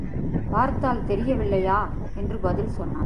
பார்த்தால் தெரியவில்லையா? என்று பதில் சொன்னான்.